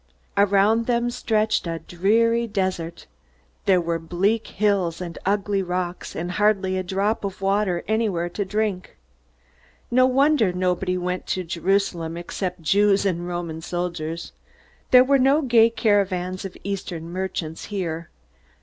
Around them stretched a dreary desert. There were bleak hills, and ugly rocks, and hardly a drop of water anywhere to drink. No wonder nobody went to Jerusalem, except Jews and Roman soldiers! There were no gay caravans of Eastern merchants here.